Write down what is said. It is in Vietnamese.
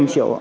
năm triệu ạ